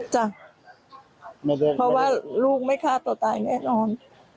จ้ะเพราะว่าลูกไม่ฆ่าตัวตายแน่นอน